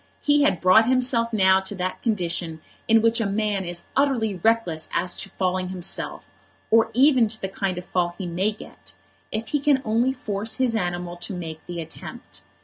He had brought himself now to that condition in which a man is utterly reckless as to falling himself, or even to the kind of fall he may get, if he can only force his animal to make the attempt.